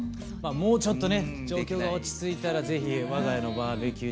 もうちょっとね状況が落ち着いたらぜひわが家のバーベキュー場に。